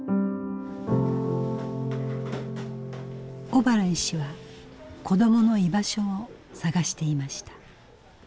小原医師は子どもの居場所を探していました。